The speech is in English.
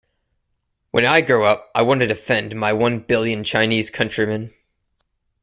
When I grow up, I want to defend my one billion Chinese countrymen!